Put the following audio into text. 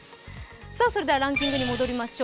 それではランキングに戻りましょう。